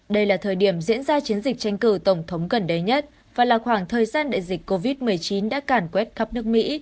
đây là thời điểm diễn ra chiến dịch tranh cử tổng thống gần đây nhất và là khoảng thời gian đại dịch covid một mươi chín đã cản quét khắp nước mỹ